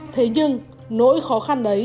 thế nhưng nỗi khó khăn đấy